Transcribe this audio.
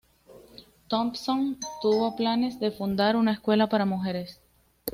Thompson tuvo planes de fundar una escuela para mujeres.